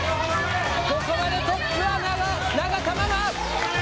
ここまでトップは永田ママ！